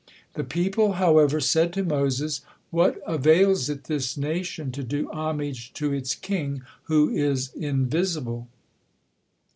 The people, however, said to Moses: "What avails it this nation to do homage to its king, who is invisible?"